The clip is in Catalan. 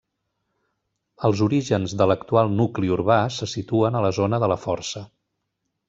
Els orígens de l'actual nucli urbà se situen a la zona de la Força.